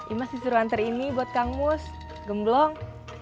ima sisi wanter ini buat kang mus gemblong